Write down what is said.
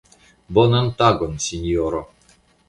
Bonan tagon sinjoro!